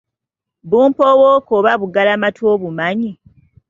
Bumpowooko oba buggalamatu obumanyi?